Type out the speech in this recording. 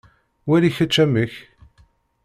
Wali kečč amek.